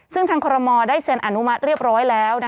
ซึ่งทางคอรมอลได้เซ็นอนุมัติเรียบร้อยแล้ว